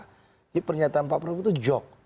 jadi pernyataan pak prabowo itu jog